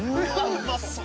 うまそっ！